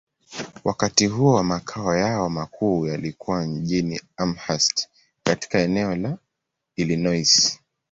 Wakati huo, makao yao makuu yalikuwa mjini Elmhurst, katika eneo la Illinois.